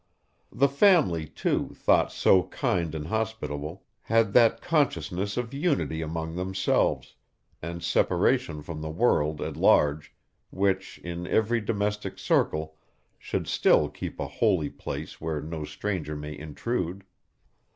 The family, too, though so kind and hospitable, had that consciousness of unity among themselves, and separation from the world at large, which, in every domestic circle, should still keep a holy place where no stranger may intrude.